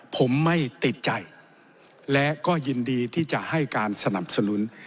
ผมไม่ติดใจและก็ยินดีที่จะให้การสนับสนุน